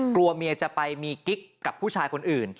กลัวเมียจะไปมีกิ๊กกับผู้ชายคนอื่น